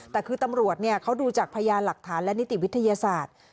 แต่คือตำรวจเขาดูจากพยานหลักฐานและนิติวิทยาศาสตร์